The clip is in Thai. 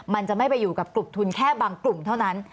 มันจะไม่ไปอยู่กับกลุ่มทุนแค่บางกลุ่มเท่านั้น